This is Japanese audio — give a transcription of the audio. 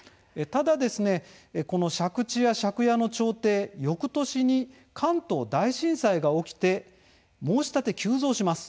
ただですね、借地や借家の調停よくとしに関東大震災が起きて申し立て急増します。